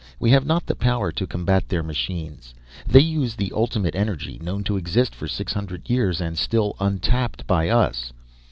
We have not the power to combat their machines. They use the Ultimate Energy known to exist for six hundred years, and still untapped by us.